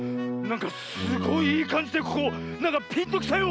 なんかすごいいいかんじでここなんかピンときたよ！